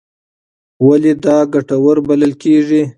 ولې دا ګټور بلل کېږي؟